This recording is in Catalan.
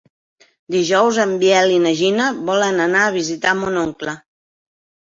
Dijous en Biel i na Gina volen anar a visitar mon oncle.